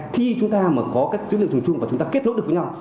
khi chúng ta có các dữ liệu chung chung và chúng ta kết nối được với nhau